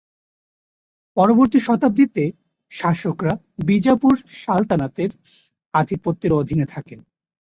পরবর্তী শতাব্দীতে শাসকরা বিজাপুর সালতানাতের আধিপত্যের অধীনে থাকেন।